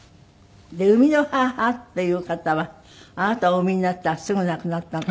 で生みの母っていう方はあなたをお産みになったらすぐ亡くなったって。